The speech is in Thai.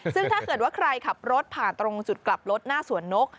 ซึ่งถ้าเกิดว่าใครขับรถผ่านตรงจุดกลับรถหน้าสวนนก